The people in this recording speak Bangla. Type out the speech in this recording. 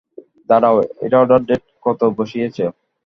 দাঁড়াও, এটার অর্ডার ডেট কত বসিয়েছ?